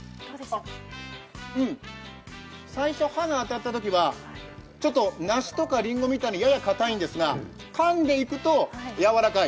最初歯が当たったときはちょっと梨とかりんごみたいにややかたいんですがかんでいくと、やわらかい。